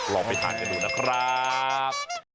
ลองไปทานกันดูนะครับ